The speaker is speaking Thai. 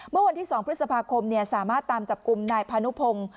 เมื่อวันที่๒พฤษภาคมสามารถตามจับกลุ่มนายพานุพงศ์